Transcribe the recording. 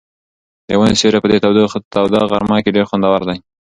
د ونو سیوری په دې توده غرمه کې ډېر خوندور دی.